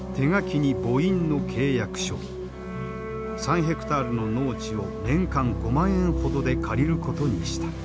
３ヘクタールの農地を年間５万円ほどで借りることにした。